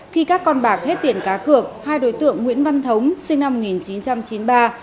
khi các con bạc hết tiền cá cược hai đối tượng nguyễn văn thống sinh năm một nghìn chín trăm chín mươi ba